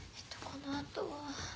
このあとは。